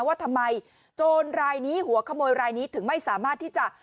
ว่าทำไมโจรรายนี้หัวขโมยรายนี้ถึงไม่สามารถที่จะ